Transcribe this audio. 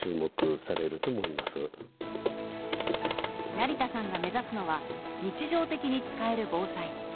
成田さんが目指すのは日常的に使える防災。